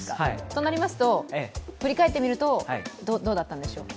となりますと、振り返ってみるとどうだったんでしょう。